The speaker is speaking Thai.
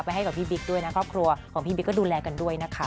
ให้กับพี่บิ๊กด้วยนะครอบครัวของพี่บิ๊กก็ดูแลกันด้วยนะคะ